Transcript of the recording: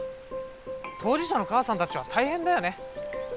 当事者の母さんたちは大変だよね。